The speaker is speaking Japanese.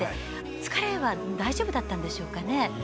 疲れは大丈夫だったんでしょうか。